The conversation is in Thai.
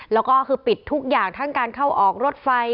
แล้วก็คือปิดทุกอย่างทั้งการเข้าออกรถไฟ